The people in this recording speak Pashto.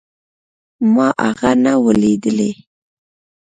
ما هغه نه و ليدلى.